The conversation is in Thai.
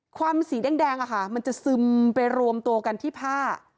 ความสีแดงแดงอ่ะค่ะมันจะซึมไปรวมตัวกันที่ผ้า